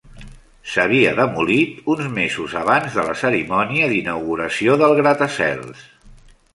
S'havia demolit uns mesos abans de la cerimònia d'inauguració del gratacels.